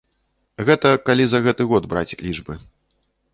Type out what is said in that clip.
Гэта калі за гэты год браць лічбы.